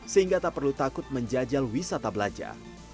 sehingga tak perlu takut menjajal wisata belanja